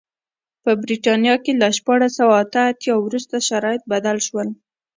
په برېټانیا کې له شپاړس سوه اته اتیا وروسته شرایط بدل شول.